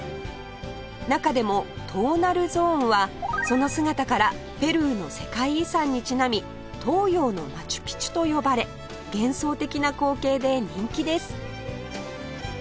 中でも東平ゾーンはその姿からペルーの世界遺産にちなみ東洋のマチュピチュと呼ばれ幻想的な光景で人気です